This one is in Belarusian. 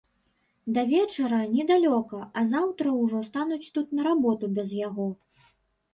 Да вечара недалёка, а заўтра ўжо стануць тут на работу без яго.